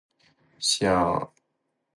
想爱猫了